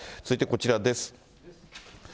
続いてこちらです。